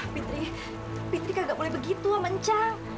fitri fitri kagak boleh begitu sama cang